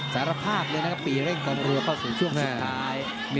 แต่ระภาพในปีเร่งกวนเรือก็สุดช่วงสุดท้าย